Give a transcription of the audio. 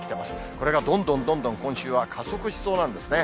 これがどんどんどんどん、今週は加速しそうなんですね。